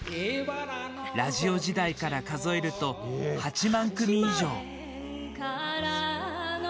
ラジオ時代から数えると８万組以上。